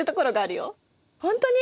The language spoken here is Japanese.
ほんとに！？